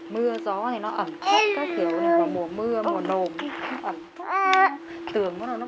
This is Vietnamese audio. mưa gió thì nó ẩn thất các kiểu mùa mưa mùa nồm ẩn thất tường nó bông vữa xong rồi nó thấm tột